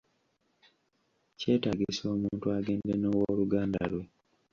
Kyetaagisa omuntu agende n'owoluganda lwe.